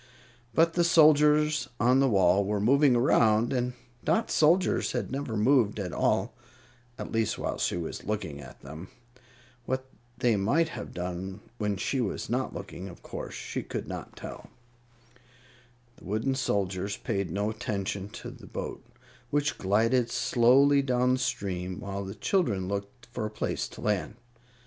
But the soldiers on the wall were moving around, and Dot's soldiers had never moved at all at least, while she was looking at them. What they might have done when she was not looking she, of course, could not tell. The wooden soldiers paid no attention to the boat, which glided slowly down the stream, while the children looked for a place to land.